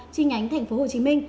trên nhánh tp hcm